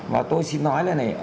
và tôi xin nói là này